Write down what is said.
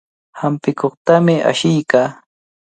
Hampikuqtami ashiykaa.